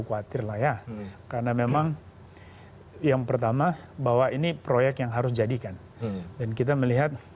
khawatir lah ya karena memang yang pertama bahwa ini proyek yang harus jadikan dan kita melihat